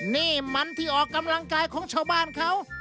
นี่มันที่ออกกำลังกายของชาวบ้านเขา